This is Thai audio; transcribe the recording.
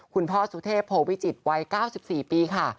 คุณพ่อสุเทพโพวิจิตรวัย๙๔ปีค่ะ